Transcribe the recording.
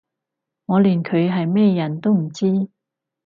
我連佢係咩人都唔知